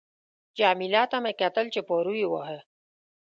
جميله ته مې کتل چې پارو یې واهه.